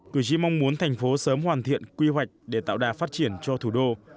cử tri mong muốn thành phố sớm hoàn thiện quy hoạch để tạo đà phát triển cho thủ đô